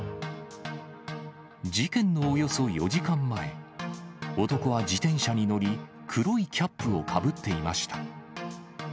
事件のおよそ４時間前、男は自転車に乗り、黒いキャップをかぶっていました。